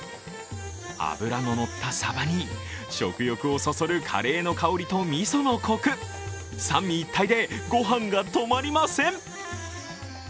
脂ののったサバに食欲をそそるカレーの香りとみそのコク、三位一体でご飯が止まりません。